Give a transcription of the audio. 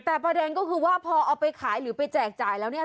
แต่ประเด็นก็คือว่าพอเอาไปขายหรือไปแจกจ่ายแล้วเนี่ย